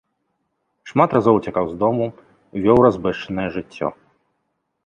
Шмат разоў уцякаў з дому, вёў разбэшчанае жыццё.